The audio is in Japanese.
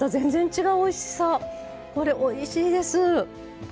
これおいしいです。